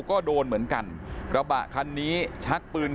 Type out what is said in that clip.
ตอนนี้ก็เปลี่ยนแบบนี้แหละ